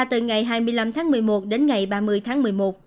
từ ngày hai mươi năm tháng một mươi một đến ngày ba mươi tháng một mươi một